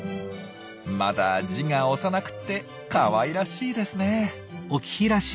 まだ字が幼くてかわいらしいですね。